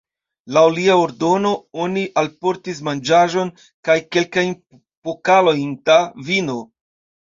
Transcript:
Laŭ lia ordono oni alportis manĝaĵon kaj kelkajn pokalojn da vino.